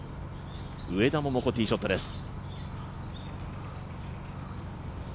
上田桃子、ティーショットです。